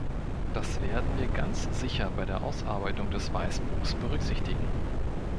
Das werden wir ganz sicher bei der Ausarbeitung des Weißbuchs berücksichtigen.